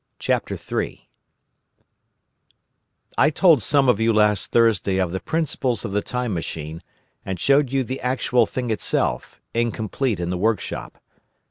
Time Travelling "I told some of you last Thursday of the principles of the Time Machine, and showed you the actual thing itself, incomplete in the workshop.